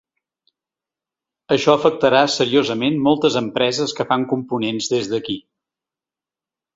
Això afectarà seriosament moltes empreses que fan components des d’aquí.